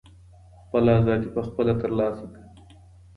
خپله ازادي په خپله ترلاسه کړه.